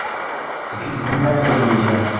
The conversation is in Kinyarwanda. Ifite imyaka irenga ijana.